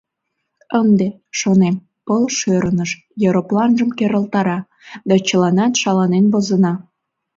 Ынде, шонем, пыл шӧрыныш еропланжым керылтара да чыланат шаланен возына.